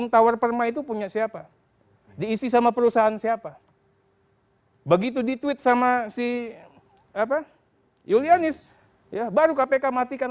tapi tidak dilakukan